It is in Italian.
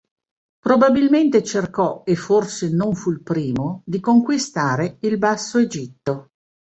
Probabilmente cercò, e forse non fu il primo, di conquistare il Basso Egitto.